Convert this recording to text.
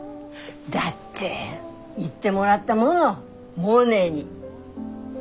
だって言ってもらったものモネに。